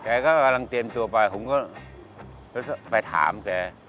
แกก็กำลังเตรียมตัวไปผมก็ไปถามแก